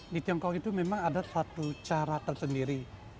di tiongkok itu memang ada satu cara tersendiri